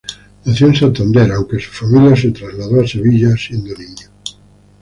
Nació en Santander, aunque su familia se trasladó a Sevilla, siendo niño.